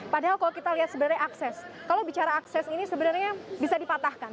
padahal kalau kita lihat sebenarnya akses kalau bicara akses ini sebenarnya bisa dipatahkan